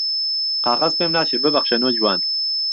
قاقهز پێم ناچێ ببهخشه نۆجوان